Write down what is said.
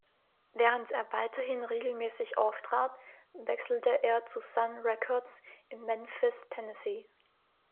Während er weiterhin regelmäßig auftrat, wechselte er zu Sun Records in Memphis, Tennessee.